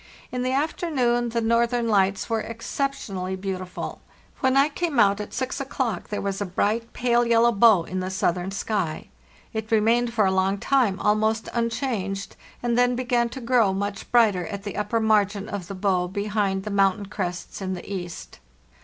In the af ternoon the northern lights were exceptionally beautiful. When I came out at 6 o'clock there was a bright, pale yellow bow in the southern sky. It remained for a long time almost unchanged, and then began to grow much brighter at the upper margin of the bow behind the mountain crests in the east.